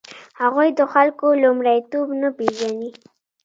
هغوی د خلکو لومړیتوب نه پېژني.